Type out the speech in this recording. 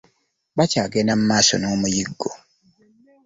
Bakyagenda mu maaso n'omuyiggo.